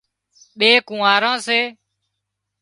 ٻي ڪونئاران سي